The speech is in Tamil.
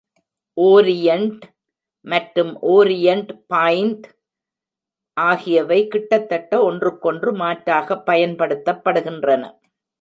"ஓரியண்ட்" மற்றும் "ஓரியண்ட் பாயிண்ட்" ஆகியவை கிட்டத்தட்ட ஒன்றுக்கொன்று மாற்றாகப் பயன்படுத்தப்படுகின்றன.